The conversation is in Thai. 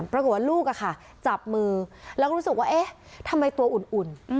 ปรากฏว่าลูกจับมือแล้วก็รู้สึกว่าเอ๊ะทำไมตัวอุ่น